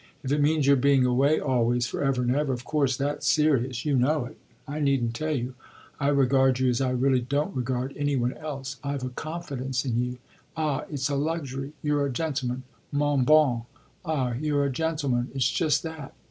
If it means your being away always, for ever and ever, of course that's serious. You know it I needn't tell you I regard you as I really don't regard any one else. I've a confidence in you ah it's a luxury! You're a gentleman, mon bon ah you're a gentleman! It's just that.